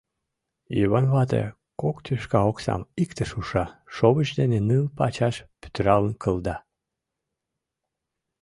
Йыван вате кок тӱшка оксам иктыш уша, шовыч дене ныл пачаш пӱтыралын кылда.